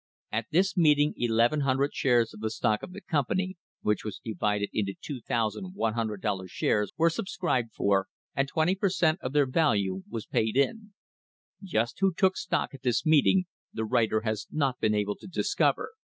At this meeting 1,100 shares of the stock of the company, which was divided into 2,000 $100 shares, were subscribed for, and twenty per cent, of their value was paid in. Just who took stock at this meet ing the writer has not been able to discover.